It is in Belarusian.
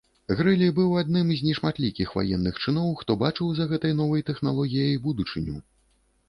Грылі быў адным з нешматлікіх ваенных чыноў, хто бачыў за гэтай новай тэхналогіяй будучыню.